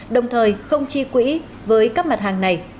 đồng thời không chi quỹ với các mặt hàng này